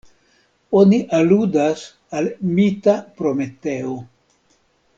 Oni aludas al mita Prometeo.